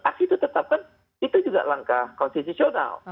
aksi itu tetap kan itu juga langkah konstitusional